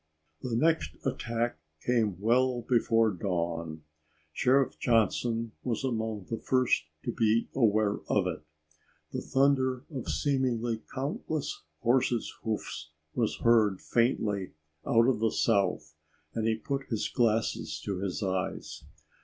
The next attack came well before dawn. Sheriff Johnson was among the first to be aware of it. The thunder of seemingly countless horses' hoofs was heard faintly out of the south and he put his glasses to his eyes.